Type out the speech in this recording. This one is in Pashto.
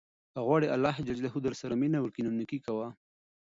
که غواړې اللهﷻ درسره مینه وکړي نو نېکي کوه.